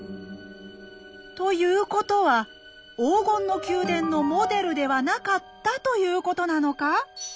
ということは「黄金の宮殿」のモデルではなかったということなのか？